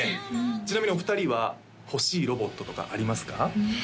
ちなみにお二人は欲しいロボットとかありますか？